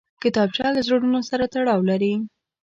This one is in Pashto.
کتابچه له زړونو سره تړاو لري